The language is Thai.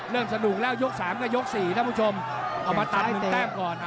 เริ่มสะดุลแล้วยก๓กับยก๔สำผู้ชมเอามาแตะก่อน